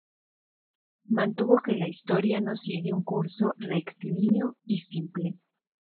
Mantuvo que la historia no sigue un curso rectilíneo y simple.